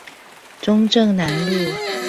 中正南路